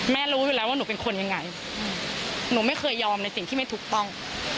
รู้อยู่แล้วว่าหนูเป็นคนยังไงหนูไม่เคยยอมในสิ่งที่ไม่ถูกต้อง